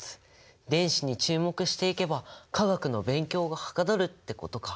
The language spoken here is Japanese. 電子に注目していけば化学の勉強がはかどるってことか。